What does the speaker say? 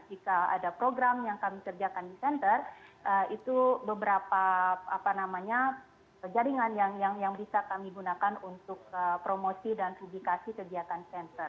jika ada program yang kami kerjakan di center itu beberapa jaringan yang bisa kami gunakan untuk promosi dan publikasi kegiatan center